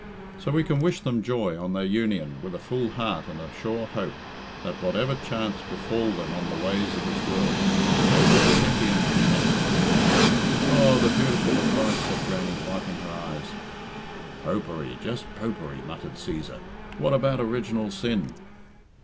So we can wish them joy on their union with a full heart and a sure hope that, whatever chance befall them on the ways of this world, they will be happy and content." "Aw, the beautiful advice," said Grannie, wiping her eyes. "Popery, just Popery," muttered Cæsar. "What about original sin?"